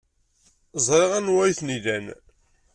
Ẓriɣ anwa ay ten-ilan.